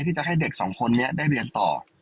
ที่จะให้เด็กสองคนนี้ได้เรียนต่อ